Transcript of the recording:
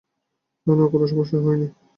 না না, কোনো সমস্যা হয়নি।